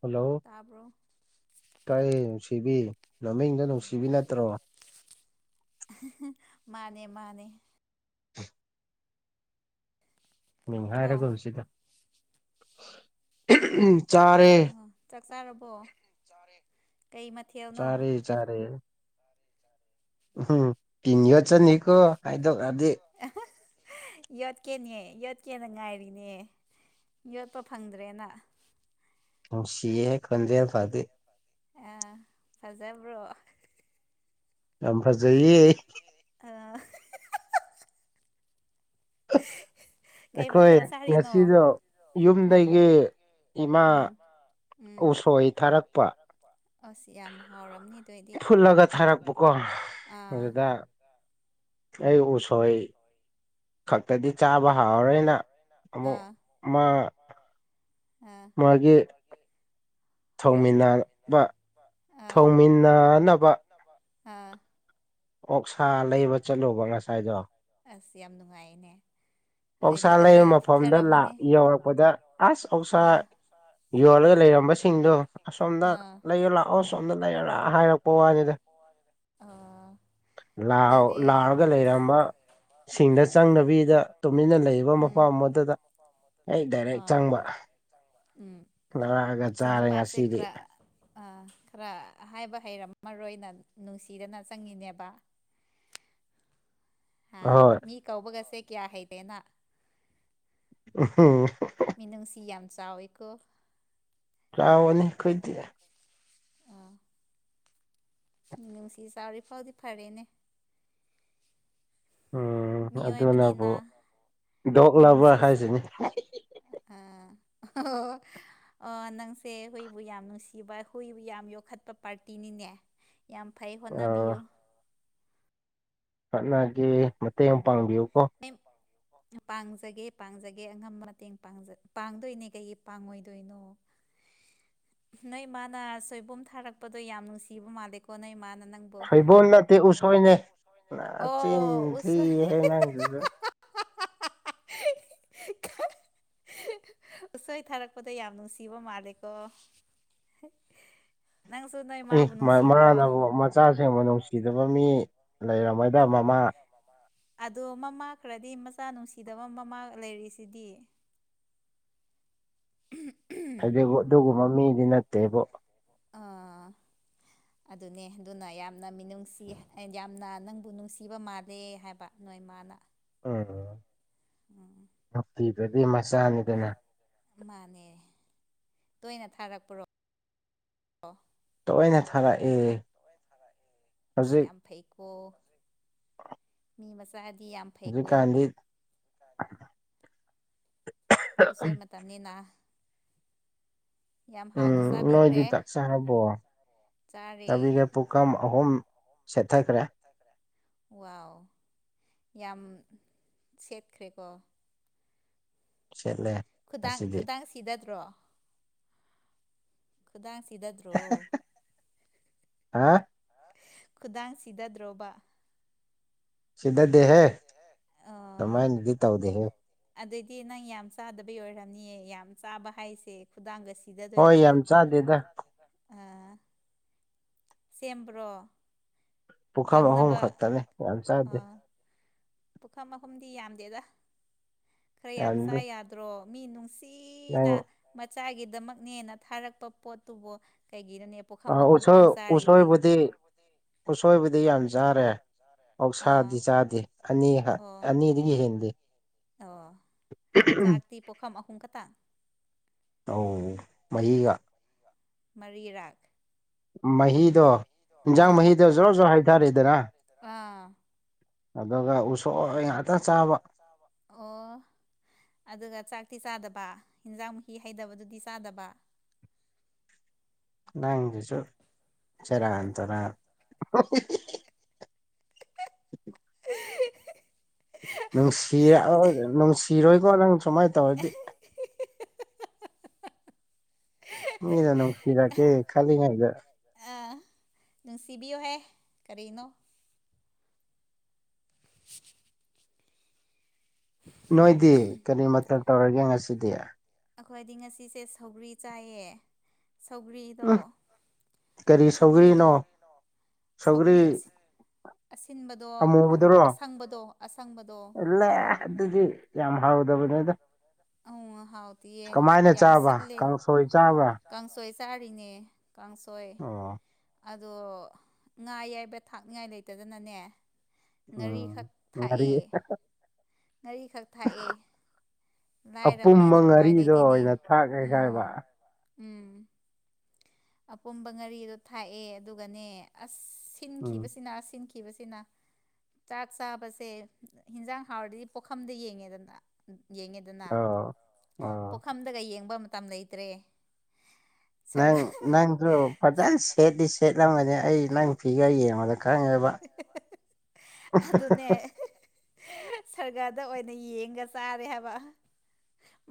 Hello ꯇꯥꯕ꯭ꯔꯣ ꯇꯥꯏ ꯅꯨꯡꯁꯤꯕꯤ ꯅꯃꯤꯡꯗꯨ ꯅꯨꯡꯁꯤꯕꯤ ꯅꯠꯇ꯭ꯔꯣ ꯃꯥꯅꯦ ꯃꯥꯅꯦ [unintelligible] ꯃꯤꯛ ꯑꯕꯣ ꯍꯥꯏꯔꯒꯨꯝꯁꯤꯗ ꯆꯥꯔꯦ ꯑꯥ ꯆꯥꯛ ꯆꯥꯔꯕꯣ ꯆꯥꯔꯦ ꯀꯩ ꯃꯊꯦꯜꯅꯣ ꯆꯔꯦ ꯎꯝ ꯇꯤꯟ ꯌꫭꯠꯆꯅꯤ [unintelligible] ꯌꯣꯠꯀꯦꯅꯦ ꯌꯣꯠꯀꯦꯅ ꯉꯥꯏꯔꯤꯅꯦ ꯌꯣꯠꯄ ꯐꯪꯗ꯭ꯔꯦꯅ ꯅꯨꯡꯁꯤꯍꯦ ꯈꫭꯟꯖ‌ꯦꯟ ꯀꯥꯇꯤ ꯑꯥ ꯐꯖꯕ꯭ꯔꯣ ꯌꯥꯝ ꯐꯖꯩꯌꯦ ꯑ ꯀꯩ ꯑꯩꯈꯣꯏ ꯃꯊꯦꯜ ꯆꯥꯔꯤꯅꯣ ꯉꯁꯤꯗꯣ ꯎꯝ ꯌꯨꯝꯗꯒꯤ ꯏꯃꯥ ꯎꯝ ꯎꯝ ꯎꯁꯣꯏ ꯊꯥꯔꯛꯄ ꯑꯁ ꯌꯥꯝ ꯍꯥꯎꯔꯝꯅꯤ ꯑꯗꯨꯑꯣꯗꯤ ꯐꯨꯠꯂꯒ ꯊꯥꯔꯛꯄꯀꯣ [unintelligible] ꯑꯥ ꯑꯗꯨꯗ ꯑꯩ ꯎꯁꯣꯏ ꯈꯛꯇꯗꯤ ꯆꯥꯕ ꯍꯥꯎꯔꯣꯏꯅ ꯑꯃꯨꯛ ꯃꯥ ꯑ ꯃꯥꯒꯤ ꯍꯣꯏ ꯊꯧꯃꯤꯟꯅꯕ ꯊꯧꯃꯤꯟꯅꯅꯕ ꯍꯥꯥ ꯑꯣꯛꯁꯥ ꯂꯩꯕ ꯆꯠꯂꯨꯕ ꯉꯁꯥꯏꯗꯣ ꯑꯁ ꯌꯥꯝ ꯅꯨꯡꯉꯥꯏꯌ‌ꯦꯅꯦ ꯑꯧꯁꯥ ꯂꯩꯕ ꯃꯐꯝꯗ ꯂꯥ ꯌꯧꯔꯛꯄꯗ ꯑꯁ ꯑꫭꯛꯁꯥ ꯑꯥ ꯌꯣꯜꯂꯒ ꯂꯩꯔꯝꯕꯁꯤꯡꯗꯣ ꯑꯁꯣꯝꯗ ꯑꯥ ꯂꯩꯌꯣ ꯂꯥꯛꯑꯣ ꯁꯣꯝꯗ ꯂꯩꯔ ꯂꯥꯛ ꯍꯥꯏꯔꯛꯄ ꯋꯥꯅꯤꯗ ꯑꯥ ꯂꯥꯎ ꯑꯗꯗꯤ ꯂꯥꯎꯔꯒ ꯂꯩꯔꯝꯕ ꯁꯤꯡꯗ ꯆꯪꯡꯗꯕꯤꯗ ꯇꯨꯃꯤꯟꯅ ꯂꯩꯔꯤꯕ ꯎꯝ ꯃꯐꯝ ꯑꯃꯇꯗ ꯑꯩ ꯗꯥꯏꯔꯦꯛ ꯑꯥ ꯆꯪꯕ ꯎꯝ ꯂꯧꯔꯛꯑꯒ ꯁꯤ ꯆꯥꯔꯦ ꯅꯨꯄꯥꯁ‌ꯦ ꯉꯁꯤꯗꯤ ꯈꯥꯔꯥ ꯑ ꯈꯔ ꯍꯥꯏꯕ ꯍꯩꯔꯝꯃꯔꯣꯏꯅ ꯅꯨꯡꯁꯤꯗꯅ ꯆꯪꯉꯤꯅꯦꯕ ꯍꯥ ꯑꯍꯣꯏ ꯃꯤ ꯀꯧꯕꯒꯁꯦ ꯀꯌꯥ ꯍꯩꯇꯦꯅ [unintelligible] ꯃꯤꯅꯨꯡꯁꯤ ꯌꯥꯝ ꯆꯥꯎꯋꯤꯀꯣ ꯆꯥꯎꯕꯅ‌ꯦ ꯑꯩꯈꫭꯏꯗꯤ ꯑ ꯅꯨꯡꯁꯤ ꯆꯥꯎꯔꯤ ꯐꯥꯎꯗꯤ ꯐꯔꯤꯅꯦ ꯎꯝ ꯑꯗꯨꯅꯕꯨ ꯃꯤꯑꯣꯏꯕꯅꯤꯅ ꯗꯣꯛ ꯂꯚꯔ ꯃꯤꯅꯨꯡꯁꯤ ꯑ ꯍꯥꯏꯁꯤꯅꯤ ꯑ‌ꯣꯍ ꯑ‌ꯣꯍ ꯅꯪꯁꯦ ꯍꯨꯏꯕꯨ ꯌꯥꯝ ꯅꯨꯡꯁꯤꯕ ꯍꯨꯏꯕꯨ ꯌꯥꯝ ꯌꯣꯛꯈꯠꯄ ꯄꯥꯔꯇꯤꯅꯤꯅꯦ ꯌꯥꯝ ꯐꯩ ꯑ ꯍꯣꯠꯅꯕꯤꯌꯨ ꯍꯣꯠꯅꯒꯦ ꯃꯇꯦꯡ ꯄꯥꯡꯕꯤꯌꯨ ꯀꯣ ꯄꯦꯝ ꯄꯥꯡꯖꯒꯦ ꯄꯥꯡꯖꯒꯦ ꯑꯉꯝꯕ ꯃꯇꯦꯡ ꯄꯥꯡꯖ ꯄꯥꯡꯗꯣꯏꯅꯦ ꯀꯩꯒꯤ ꯄꯥꯡꯉꯣꯏꯗꯣꯏꯅꯣ [inaudible] ꯅꯣꯏꯃꯥꯅ ꯁꯣꯏꯕꯨꯝ ꯊꯥꯔꯛꯄꯗꯣ ꯌꯥꯝ ꯅꯨꯡꯁꯤꯕ ꯃꯥꯜꯂꯦꯀꯣ ꯅꯣꯏꯃꯥꯅ ꯅꯪ ꯁꯣꯏꯕꯣꯟ ꯅꯠꯇꯦ ꯎꯁꯣꯏꯅꯦ ꯅꯥꯆꯤꯟ ꯑꯣ ꯊꯤ ꯎꯁꯣꯏ ꯍꯦ ꯅꯪꯁꯨ [inaudible] ꯎꯁꯣꯏ ꯊꯥꯔꯛꯄꯗꯣ ꯌꯥꯝ ꯅꯨꯡꯁꯤꯕ ꯃꯥꯜꯂꯦꯀꯣ ꯅꯪꯁꯨ ꯅꯣꯏ ꯃꯥꯕꯨ ꯅꯨꯡꯁꯤꯕ꯭ꯔꯣ ꯆꯥꯁꯤꯡꯕꯨ ꯅꯨꯡꯁꯤꯗꯕ ꯃꯤ ꯂꯩꯔꯝꯃꯣꯏꯗ ꯃꯃꯥ ꯑꯗꯣ ꯃꯃꯥ ꯈꯔꯗꯤ ꯃꯆꯥ ꯅꯨꯡꯁꯤꯗꯕ ꯃꯃꯥ ꯂꯩꯔꯤꯁꯤꯗꯤ ꯍꯥꯏꯗꯤꯒꯣ ꯑꯗꯨꯒꯨꯝꯕ ꯃꯤꯗꯤ ꯅꯠꯇꯦꯕꯣ ꯑꯥ ꯑꯗꯨꯅꯦ ꯑꯗꯨꯅ ꯌꯥꯝꯅ ꯃꯤꯅꯨꯡꯁꯤ ꯑꯩ ꯌꯥꯝꯅ ꯅꯪꯕꯨ ꯅꯨꯡꯁꯤꯕ ꯃꯥꯜꯂꯦ ꯍꯥꯏꯕ ꯅꯣꯏꯃꯥꯅ ꯑꯥ ꯎꯝ ꯒꯞꯇꯤꯗꯗꯤ ꯃꯆꯥꯅꯤꯗꯅ ꯃꯥꯅꯦ ꯇꯣꯏꯅ ꯊꯥꯔꯛꯄ꯭ꯔꯣ ꯇꯣꯏꯅ ꯊꯥꯔꯛꯑꯦ ꯇꯣꯏꯟ ꯊꯥꯔꯛꯑꯦ ꯑꯁ ꯍꯧꯖꯤꯛ ꯌꯥꯝ ꯐꯩꯀꯣ ꯃꯤ ꯃꯆꯥꯗꯤ ꯌꯥꯝ ꯍꯧꯖꯤꯛ ꯐꯩꯀꯣ ꯀꯥꯟꯗꯤ ꯎꯁꯣꯏ ꯃꯇꯝꯅꯤꯅ ꯌꯥꯝ ꯍꯥꯎꯅ ꯎꯝ ꯅꯣꯏꯗꯤ ꯆꯥꯕꯤꯈ꯭ꯔꯦ ꯆꯥꯛ ꯆꯥꯔꯕꯣ ꯆꯥꯔꯦ ꯑꯗꯨꯗꯤ ꯄꯨꯈꯝ ꯑꯍꯨꯝ ꯁꯦꯠꯊꯈ꯭ꯔꯦ ꯋꯥꯎ ꯌꯥꯝ ꯁꯦꯠꯈ꯭ꯔꯦꯀꯣ ꯆꯠꯂꯦ ꯈꯨꯗꯥꯡ ꯈꯨꯗꯥꯡ ꯁꯤꯗꯗ꯭ꯔꯣ ꯈꯨꯗꯥꯡ ꯁꯤꯗꯗ꯭ꯔꯣ ꯍꯥ ꯈꯨꯗꯥꯡ ꯁꯤꯗꯗ꯭ꯔꯣꯕ ꯁꯤꯗꯗꯦꯍꯦ ꯑꯗꯨꯃꯥꯏꯅꯗꯤ ꯇꯧꯗꯦꯍꯦ ꯑꯗꯨꯗꯤ ꯅꯪ ꯌꯥꯝ ꯆꯥꯗꯕꯩ ꯑꯣꯏꯔꯝꯅꯤꯌꯦ ꯌꯥꯝ ꯆꯥꯕ ꯍꯥꯏꯁꯦ ꯈꯨꯗꯥꯡꯒ ꯍꯣꯏ ꯁꯤꯗꯗꯣꯏꯅꯦ ꯌꯥꯝ ꯍꯣꯏ ꯌꯥꯝ ꯆꯥꯗꯦꯗ ꯆꯥꯗ‌ꯦꯗ ꯑ ꯁꯦꯝꯕ꯭ꯔꯣ ꯄꯨꯈꯝ ꯑꯍꯨꯝ ꯀꯪꯅꯕ ꯈꯛꯇꯅꯦ ꯌꯥꯝ ꯆꯥꯗꯦ ꯑꯥ ꯄꯨꯈꯝ ꯑꯍꯨꯝꯗꯤ ꯌꯥꯝꯗꯦꯗ ꯈꯔ ꯌꯥꯝ ꯌꯥꯝꯗꯦ ꯆꯥ ꯌꯥꯗ꯭ꯔꯣ ꯃꯤ ꯅꯨꯡ ꯁꯤꯅ ꯅꯪ ꯃꯆꯥꯒꯤꯗꯃꯛꯅꯦꯅ ꯊꯥꯔꯛꯄ ꯄꯣꯠꯇꯨꯕꯣ ꯀꯩꯒꯤꯔꯅꯦ ꯄꯨꯈꯝ ꯑꯍꯨꯝ ꯈꯛꯇꯪ ꯎꯁꯣꯏ ꯆꯥꯔꯤꯗꯤ ꯎꯁꯣꯏꯕꯨꯗꯤ ꯎꯁꯣꯏꯕꯨꯗꯤ ꯌꯥꯝ ꯎꯁꯣꯏꯕꯨꯗꯤ ꯆꯥꯔꯦ ꯌꯥꯝ ꯆꯥꯔꯦ ꯑꯥ ꯑꯣꯛꯁꯥꯗꯤ ꯆꯥꯗꯦ ꯑꯣꯛꯁꯥꯗꯤ ꯑꯅꯤ ꯆꯥꯗ꯭ꯔꯤ ꯑꯣ ꯃꯤꯅ ꯑꯅꯤꯗꯒꯤ ꯍꯦꯟꯗꯦ ꯊꯅꯤꯗꯨꯒꯤ ꯑꯣ ꯆꯥꯛꯇꯤ ꯄꯣꯛꯈꯝ ꯑꯍꯨꯝ ꯈꯇꯥ ꯑꯣ ꯃꯍꯤꯒ ꯃꯔꯤꯔꯛ ꯃꯍꯤꯗꯣ ꯏꯟꯖꯥꯡ ꯑꯥ ꯃꯍꯤꯗꯣ ꯖꯣꯔ ꯖꯣ ꯍꯩꯇꯥꯔꯦꯗꯅ ꯑꯥ ꯑꯗꯨꯒ ꯎꯁꯣꯏ ꯉꯥꯛꯇ ꯆꯥꯕ ꯑꯣ ꯑꯗꯨꯒ ꯆꯥꯛꯇꯤ ꯆꯥꯗꯕ ꯍꯟꯖꯥꯡ ꯃꯍꯤ ꯍꯩꯗꯕꯗꯨꯗꯤ ꯆꯥꯗꯕ ꯅꯪꯖꯤꯁꯨ ꯁꯦꯔꯥꯟ ꯇꯨꯔꯥꯟ [unintelligible] [unintelligible] ꯅꯨꯡꯁꯤꯔꯛꯑꯣꯏ ꯅꯨꯡꯁꯤꯔꯣꯏꯀꯣ ꯅꯪ ꯁꯨꯃꯥꯏꯅ ꯇꯧꯔꯗꯤ ꯃꯤꯅ ꯅꯨꯡꯁꯤꯔꯀꯦ ꯈꯜꯂꯤꯉꯥꯏꯗ ꯑ ꯅꯨꯡꯁꯤꯕꯤꯌꯨꯍꯦ ꯀꯔꯤꯅꯣ [unintelligible] ꯅꯣꯏꯗꯤ ꯀꯔꯤ ꯃꯊꯦꯜ ꯇꯧꯔꯒꯦ ꯉꯁꯤꯗꯤ ꯑꯩꯈꯣꯏꯗꯤ ꯉꯁꯤꯁꯦ ꯁꯧꯒ꯭ꯔꯤ ꯆꯥꯏꯌꯦ ꯁꯧꯒ꯭ꯔꯤꯗꯣ ꯎꯝ ꯀꯔꯤ ꯁꯧꯒ꯭ꯔꯤꯅꯣ ꯁꯧꯒ꯭ꯔꯤ ꯁꯧꯔꯤ ꯑꯁꯤ ꯑꯁꯤꯟꯕꯗꯣ ꯑꯃꯨꯕꯗꯨꯔꯣ ꯑꯁꯪꯕꯗꯣ ꯑꯁꯪꯕꯗꯣ ꯂꯦ ꯑꯗꯨꯗꯤ ꯌꯥꯝ ꯍꯥꯎꯗꯕꯅꯦꯗꯣ ꯑꯪ ꯍꯥꯎꯇꯤꯌꯦ ꯀꯃꯥꯏꯅ ꯌꯥꯝ ꯆꯥꯕ ꯁꯤꯜꯂꯦ ꯀꯥꯡꯁꯣꯏ ꯆꯥꯕ ꯀꯥꯡꯁꯣꯏ ꯆꯥꯔꯤꯅꯦ ꯀꯥꯡꯁꯣꯏ ꯑꯣ ꯑꯗꯣ ꯉꯥ ꯌꯥꯏꯕ ꯊꯥꯛꯅꯤꯉꯥꯏ ꯂꯩꯇꯗꯅꯅꯦ ꯉꯥꯔꯤꯈꯛ ꯎꯝ ꯊꯥꯛꯑꯦ ꯉꯥꯔꯤ ꯉꯥꯔꯤꯈꯛ ꯊꯥꯛꯑꯦ ꯑꯄꯨꯝꯕ ꯂꯥꯏꯔꯕꯅꯤꯅ ꯎꯄꯥꯏ ꯉꯥꯔꯤꯗꯣ ꯂꯩꯇꯦꯅꯦ ꯑꯣꯏꯅ ꯊꯥꯛꯑꯦ ꯎꯝ ꯍꯥꯏꯕ ꯎꯝ ꯑꯄꯨꯝꯝꯕ ꯉꯥꯔꯤꯗꯣ ꯊꯥꯛꯑꯦ ꯑꯗꯨꯒꯅꯦ ꯑꯁ ꯎꯝ ꯇꯤꯟꯈꯤꯕꯁꯤꯅ ꯁꯤꯟꯈꯤꯕꯁꯤꯅ ꯆꯥꯛ ꯆꯥꯕꯁꯦ ꯍꯤꯟꯖꯥꯡ ꯍꯥꯎꯔꯗꯤ ꯄꯣꯛꯈꯝꯗ ꯌꯦꯡꯉꯦꯗꯅ ꯎꯝ ꯌꯦꯡꯉꯦ ꯗꯅ ꯑꯣ ꯑꯣ ꯄꯣꯛꯈꯝꯗꯒ ꯌꯦꯡꯕ ꯃꯇꯝ ꯂꯩꯇ꯭ꯔꯦ ꯅꯪ ꯁꯔꯒ ꯅꯪꯁꯨ ꯐꯖꯁ ꯁꯦꯠꯇꯤ ꯁꯦꯠꯂꯝꯒꯅꯤ ꯑꯩ ꯅꯪ ꯐꯤꯒꯔ ꯌꯦꯡꯕꯗ ꯈꯪꯉꯦꯕ ꯑꯗꯨꯅꯦ ꯁꯒꯥꯔꯗ ꯑꯣꯏꯅ ꯌꯦꯡꯉ ꯆꯥꯔꯦ ꯍꯥꯏꯕ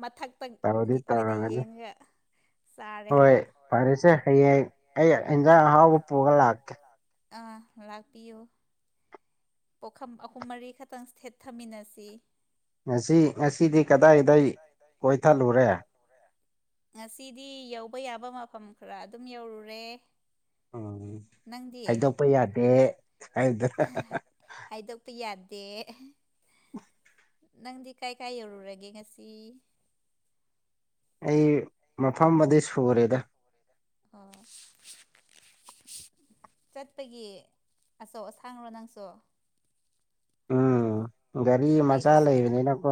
ꯃꯊꯛ ꯇꯛ ꯇꯧꯗꯤ ꯑꯣꯏꯅ ꯇꯧꯔꯝꯒꯅꯤ ꯌꯦꯡꯉꯒ ꯆꯥꯔꯦ ꯍꯣꯏ ꯍꯥꯏꯕ ꯐꯔꯦꯁꯦ ꯍꯌꯦꯡ ꯑꯩ ꯏꯟꯖꯥꯡ ꯑꯍꯥꯎꯕ ꯄꯨꯔꯒ ꯂꯥꯛꯀꯦ ꯑ ꯂꯥꯛꯄꯤꯌꯨ ꯄꯣꯈꯝ ꯑꯍꯨꯝ ꯃꯔꯤ ꯈꯛꯇꯪ ꯊꯦꯠꯊꯃꯤꯟꯅꯁꯤ ꯉꯁꯤ ꯉꯁꯤꯗꯤ ꯀꯗꯥꯏꯗꯩ ꯀꯣꯏꯊꯠꯂꯨꯔꯦ ꯎꯔꯦ ꯉꯁꯤꯗꯤ ꯌꯧꯕ ꯌꯥꯕ ꯃꯐꯝ ꯈꯔ ꯑꯗꯨꯝ ꯌꯧꯔꯨꯔꯦ ꯎꯝ ꯅꯪꯗꯤ ꯍꯥꯏꯗꯣꯛꯄ ꯌꯥꯗꯦ ꯍꯥꯏꯌꯨꯗ ꯍꯥꯏꯗꯣꯛꯄ ꯌꯥꯗꯦ [unintelligible] ꯅꯪꯗꯤ ꯀꯥꯏ ꯀꯥꯏ ꯌꯧꯔꯨꯔꯒꯦ ꯉꯁꯤ ꯑꯩ ꯃꯐꯝ ꯕꯨꯗꯤ ꯁꯨꯔꯦꯗ ꯑꯣ ꯆꯠꯄꯒꯤ ꯑꯆꯧ ꯑꯁꯥꯡꯔꯣ ꯅꯪꯁꯨ ꯎꯝ ꯒꯥꯔꯤ ꯃꯆꯥ ꯑꯩꯁꯨ ꯆꯠ ꯂꯩꯕꯅꯤꯅꯀꯣ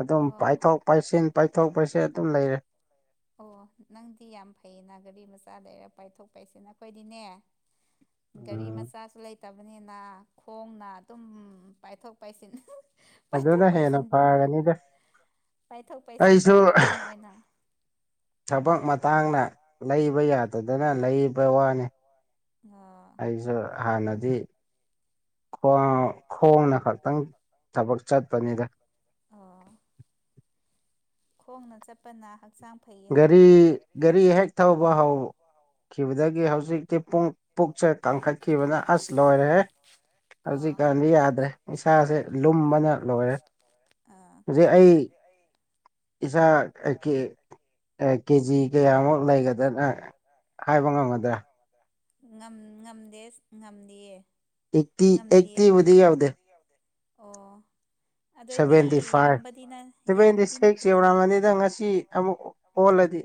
ꯑꯗꯨꯝ ꯑꯣ ꯄꯥꯏꯊꯣꯛ ꯄꯥꯏꯁꯤꯟ ꯄꯥꯏꯊꯣꯛ ꯄꯥꯏꯁꯤꯟ ꯑꯗꯨꯝ ꯂꯩꯔꯦ ꯑꯣ ꯅꯪꯗꯤ ꯌꯥꯝ ꯐꯩꯌꯦꯅ ꯒꯥꯔꯤ ꯃꯆꯥ ꯂꯩꯔ ꯄꯥꯏꯊꯣꯛ ꯄꯥꯏꯁꯤꯟ ꯑꯩꯈꯣꯏꯗꯤꯅꯦ [inaudible] ꯒꯥꯔꯤ ꯎꯝ ꯃꯆꯥꯁꯨ ꯂꯩꯇꯕꯅꯤꯅ ꯈꯣꯡꯅ ꯑꯗꯨꯝ ꯄꯥꯏꯊꯣꯛ ꯄꯥꯏꯁꯤꯟ ꯄꯥꯏꯊꯣꯛ ꯑꯗꯨꯅ ꯍꯦꯟꯅ ꯄꯥꯏꯁꯤꯟ ꯐꯒꯅꯤꯗ ꯄꯥꯏꯊꯣꯛ ꯄꯥꯏꯁꯤꯟ ꯑꯩꯁꯨ ꯇꯧꯔꯦ ꯈꯣꯡꯅ ꯑꯣꯏꯅ ꯊꯕꯛ ꯃꯇꯥꯡꯅ ꯂꯩꯕ ꯌꯥꯗꯗꯅ ꯂꯩꯕ ꯋꯥꯅꯤ ꯑ ꯑꯩꯁꯨ ꯍꯥꯟꯅꯗꯤ ꯈꯣꯡ ꯈꯣꯡꯅ ꯈꯛꯇꯪ ꯊꯕꯛ ꯆꯠꯄꯅꯤꯗ ꯑꯣ ꯈꯣꯡꯅ ꯆꯠꯄꯅ ꯍꯛꯆꯥꯡ ꯐꯩ ꯒꯥꯔꯤ ꯍꯥꯏꯌꯦ ꯒꯥꯔꯤ ꯍꯦꯛ ꯊꯧꯕ ꯍꯧ- ꯈꯤꯕꯗꯒꯤ ꯍꯧꯖꯤꯛꯇꯤ ꯄꯨꯡ ꯄꯨꯛꯁꯦ ꯀꯪꯈꯠꯈꯤꯕꯅ ꯑꯁ ꯂꯣꯏꯔꯦꯍꯦ ꯑꯣ ꯍꯧꯖꯤꯛꯀꯥꯟꯗꯤ ꯌꯥꯗ꯭ꯔꯦ ꯏꯁꯥꯁꯦ ꯂꯨꯝꯕꯅ ꯂꯣꯏꯔꯦ ꯑꯥ ꯍꯧꯖꯤꯛ ꯑꯩ ꯏꯁꯥ ꯑꯀꯦ ꯑꯦ ꯀꯦꯖꯤ ꯀꯌꯥꯃꯨꯛ ꯂꯩꯒꯗꯅ ꯍꯥꯏꯕ ꯉꯝꯒꯗ꯭ꯔꯥ ꯉꯝ ꯉꯝꯗꯦꯁ ꯉꯝꯗꯦꯌꯦ ꯑꯦꯠꯇꯤ ꯑꯦꯠꯇꯤꯕꯨꯗꯤ ꯌꯧꯗꯦ ꯑꯣ ꯑꯗꯨ ꯁꯚꯦꯟꯇꯤ ꯑꯩꯗꯤ ꯌꯥꯝꯕꯗꯤ ꯅ ꯐꯥꯏꯚ ꯁꯚꯦꯟꯇꯤ ꯌꯥꯝꯕꯗꯤ ꯁꯤꯛꯁ ꯅꯠꯇ꯭ꯔꯤꯗ ꯌꯧꯔꯥꯝꯃꯅꯤꯗ ꯉꯁꯤ ꯑꯃꯨꯛ ꯑꯣꯜꯂꯗꯤ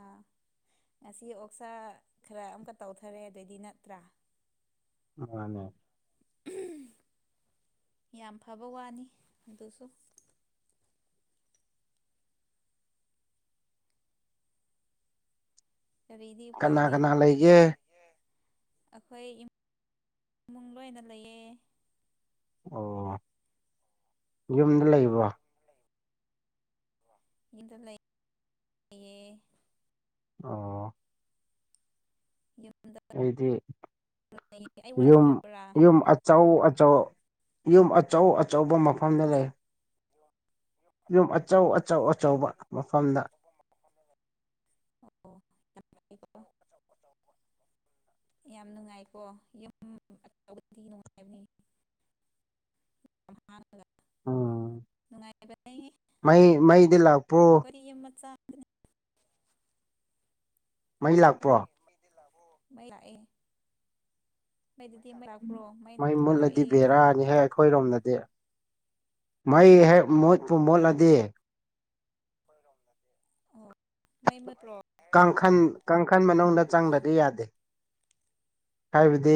ꯑꯥ ꯉꯁꯤ ꯑꯣꯛꯁꯥ ꯈꯔ ꯑꯝꯀꯥ ꯇꯧꯊꯔꯦ ꯑꯗꯩꯗꯤ ꯅꯠꯇ꯭ꯔꯥ ꯀꯅꯥꯅꯦ [unintelligible] ꯌꯥꯝ ꯐꯕ ꯋꯥꯅꯤ ꯑꯗꯨꯁꯨ ꯀꯔꯤꯗꯤ ꯎꯄꯥꯏ ꯀꯅꯥ ꯂꯩ ꯀꯅꯥ ꯂꯩꯒꯦ ꯑꯩꯈꯣꯏ ꯏꯃꯨꯡ ꯏꯃꯨꯡ ꯂꯣꯏꯅ ꯂꯩꯌꯦ ꯑꯣ ꯌꯨꯝꯗ ꯂꯩꯕ꯭ꯔꯣ ꯌꯨꯝꯗ ꯂꯩꯌꯦ ꯑꯣ ꯌꯨꯝ ꯑꯩꯗꯤ ꯑꯩ ꯋꯥ ꯌꯨꯝ ꯄꯤꯌꯔꯥ ꯌꯨꯝ ꯑꯆꯧ ꯑꯆꯧ ꯌꯨꯝ ꯑꯆꯧ ꯑꯆꯧꯕ ꯃꯐꯝꯗ ꯂꯩ ꯌꯨꯝ ꯑꯆꯧ ꯑꯆꯧ ꯑꯆꯧꯕ ꯃꯐꯝꯗ ꯑꯣ [unintelligible] ꯌꯥꯝ ꯅꯨꯡꯉꯥꯏꯀꯣ ꯌꯨꯝ ꯑꯆꯧꯕꯗꯤ ꯅꯨꯡꯉꯥꯏꯕꯅꯦ [unintelligible] ꯎꯝ ꯅꯨꯡꯉꯥꯏꯕꯅꯦ ꯃꯩ ꯃꯩꯗꯤ ꯂꯥꯛꯄ꯭ꯔꯣ ꯋꯥꯔꯤ ꯌꯨꯝ ꯃꯆꯥ꯫ ꯃꯩ ꯂꯥꯛꯄ꯭ꯔꯣ? ꯃꯩ ꯂꯥꯛꯑꯦ꯫ ꯅꯣꯏꯗꯗꯤ ꯃꯩ ꯂꯥꯛꯄ꯭ꯔꯣ? ꯃꯩ ꯃꯨꯠꯂꯗꯤ ꯂꯥꯛꯑꯦ꯫ ꯕꯦꯔꯥꯅꯤ ꯍꯦꯛ ꯑꯩꯈꯣꯏꯔꯣꯝꯗꯗꯤ ꯃꯩ ꯍꯦꯛ ꯃꯨꯠꯄꯨ ꯃꯨꯠꯂꯗꯤ, ꯈꯣꯏꯔꯣꯝꯗꯗꯤ ꯑꯣ꯫ ꯃꯩ ꯃꯨꯠꯄ꯭ꯔꯣ ꯀꯥꯡꯈꯟ ꯀꯥꯡꯈꯟ ꯃꯅꯨꯡꯗ ꯑꯥ ꯆꯪꯗꯗꯤ ꯌꯥꯗꯦ꯫ ꯍꯥꯏꯕꯗꯤ?